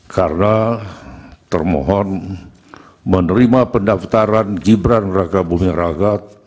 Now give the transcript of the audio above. karena termohon menerima pendaftaran gibran raka buming raka